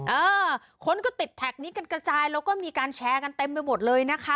เออคนก็ติดแท็กนี้กันกระจายแล้วก็มีการแชร์กันเต็มไปหมดเลยนะคะ